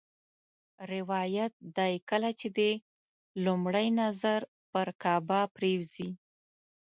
روایت دی کله چې دې لومړی نظر پر کعبه پرېوځي.